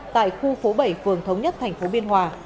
tại khu phố bảy phường thống nhất tp biên hòa